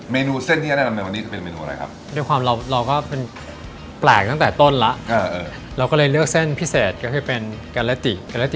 เมนูเส้นนี้ครับแม่งกันได้ในวันนี้จะเป็นเมนูอะไรครับ